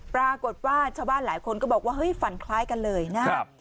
ปรากฏว่าชาวบ้านหลายคนก็บอกว่าเฮ้ยฝันคล้ายกันเลยนะครับ